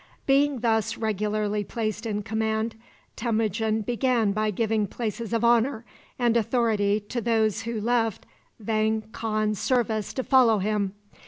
Being thus regularly placed in command, Temujin began by giving places of honor and authority to those who left Vang Khan's service to follow him.